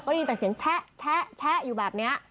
ก็ได้ยินตัดเสียงแช๊ะแช๊ะอยู่แบบนี้